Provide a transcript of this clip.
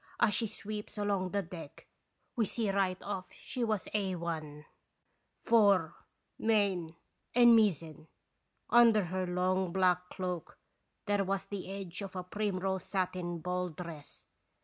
As she sweeps along the deck we see right off she was Ai, fore, main, and mizzen. Under her long, black cloak there was the edge of a primrose satin ball dress.